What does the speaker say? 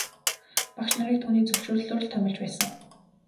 Багш нарыг түүний зөвшөөрлөөр л томилж байсан.